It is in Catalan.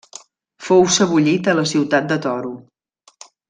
Fou sebollit a la ciutat de Toro.